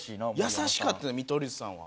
優しかった見取り図さんは。